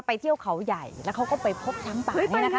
เที่ยวเขาใหญ่แล้วเขาก็ไปพบช้างป่านี่นะคะ